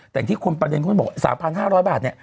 แต่ที่คนประเด็นเขายังบอก๓๕๐๐บาทเนี่ย